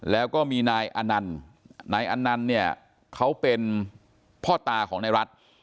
แล้วก็มีนายอนันต์นายอนันต์เนี่ยเขาเป็นพ่อตาของนายรัฐ